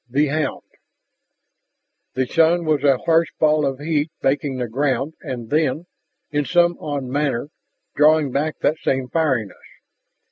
THE HOUND The sun was a harsh ball of heat baking the ground and then, in some odd manner, drawing back that same fieriness.